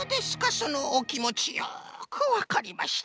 そのおきもちよくわかりました。